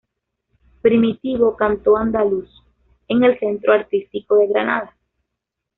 Primitivo canto andaluz" en el Centro Artístico de Granada.